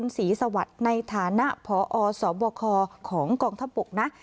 นทพนศรีสวัสดิ์ในฐานะและพออสบคครของกองทัพบุรุษนะ